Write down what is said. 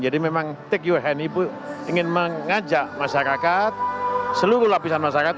jadi memang take your hand ibu ingin mengajak masyarakat seluruh lapisan masyarakat